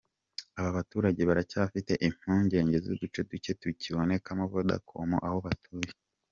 Aba baturage baracyafite impungenge z’uduce duke tukibonekamo Vodacom aho batuye.